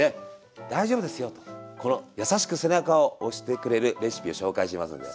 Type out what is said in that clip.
大丈夫ですよとこのやさしく背中を押してくれるレシピを紹介しますんで。